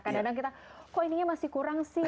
kadang kadang kita kok ininya masih kurang sih